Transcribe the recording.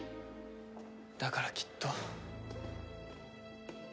だからきっと。